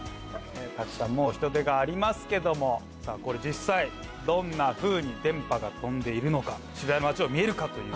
たくさんの人出がありますけどもこれ実際どんなふうに電波が飛んでいるのか調べましょう見える化という。